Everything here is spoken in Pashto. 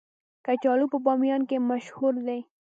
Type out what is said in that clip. کچالو په بامیان کې مشهور دي